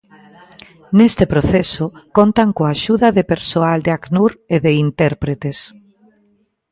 Nese proceso, contan coa axuda de persoal de Acnur e de intérpretes.